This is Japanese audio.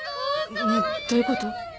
ねえどういうこと？